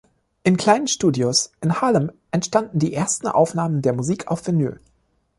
In kleinen Studios in Harlem entstanden die ersten Aufnahmen der Musik auf Vinyl.